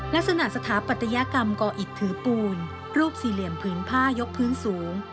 ลักษณะสถาปัตยกรรมกออิดถือปูนรูปสี่เหลี่ยมพื้นผ้ายกพื้นสูง